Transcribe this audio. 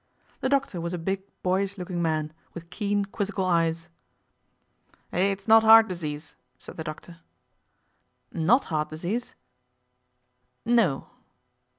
The doctor was a big, boyish looking man, with keen, quizzical eyes. 'It is not heart disease,' said the doctor. 'Not heart disease?' 'No.